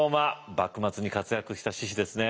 幕末に活躍した志士ですね。